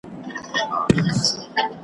ښکاري وویل زه تا حلالومه .